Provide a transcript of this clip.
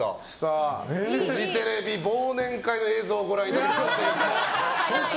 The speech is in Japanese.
フジテレビ忘年会の映像をご覧いただきましたけども。